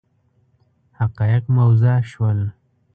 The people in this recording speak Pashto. حقایق موضح شول.